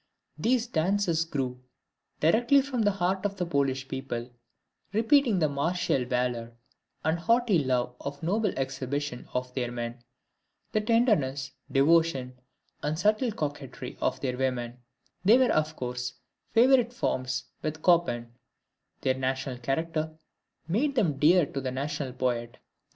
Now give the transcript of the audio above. These dances grew directly from the heart of the Polish people; repeating the martial valor and haughty love of noble exhibition of their men; the tenderness, devotion, and subtle coquetry of their women they were of course favorite forms with Chopin; their national character made them dear to the national poet.